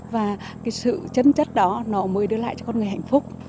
và cái sự chân chất đó nó mới đưa lại cho con người hạnh phúc